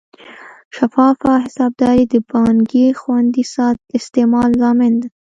شفافه حسابداري د پانګې د خوندي استعمال ضامن ده.